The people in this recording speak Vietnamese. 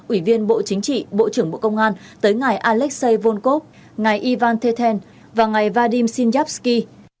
ủy viên bộ chính trị bộ trưởng bộ công an tới ngày alexei volkov ngày ivan teten và ngày vadim sinyapsky